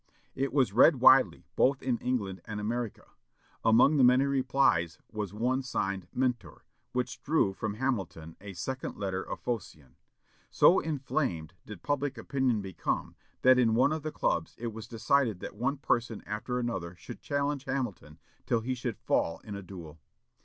It was read widely, both in England and America. Among the many replies was one signed "Mentor," which drew from Hamilton a "Second letter of Phocion." So inflamed did public opinion become that in one of the clubs it was decided that one person after another should challenge Hamilton, till he should fall in a duel.